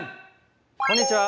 こんにちは。